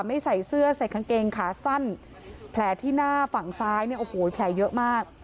ไม่ใส่เสื้อใส่กางเกงขาสั้นแผลที่หน้าฝั่งซ้ายเนี่ยโอ้โหแผลเยอะมาก